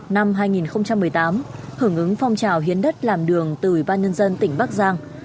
năm hai nghìn một mươi tám hưởng ứng phong trào hiến đất làm đường từ ủy ban nhân dân tỉnh bắc giang